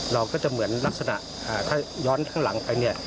เราก็จะเหมือนลักษณะถ้าย้อนข้างหลังไปเนี่ย